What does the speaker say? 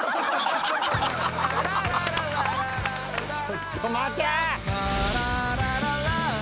ちょっと待て！